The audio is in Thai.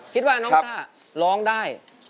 พี่ถุย